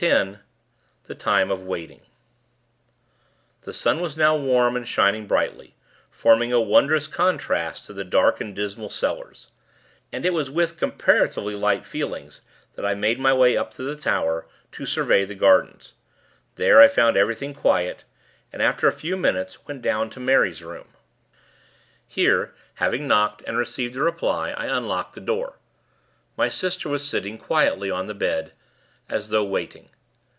X THE TIME OF WAITING The sun was now warm, and shining brightly, forming a wondrous contrast to the dark and dismal cellars; and it was with comparatively light feelings, that I made my way up to the tower, to survey the gardens. There, I found everything quiet, and, after a few minutes, went down to Mary's room. Here, having knocked, and received a reply, I unlocked the door. My sister was sitting, quietly, on the bed; as though waiting.